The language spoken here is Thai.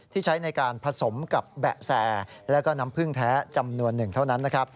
ที่ใช้ในการผสมกับแบะแซรแล้วก็น้ำผึ้งแท้จำนวนหนึ่งเท่านั้น